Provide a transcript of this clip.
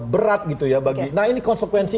berat gitu ya bagi nah ini konsekuensi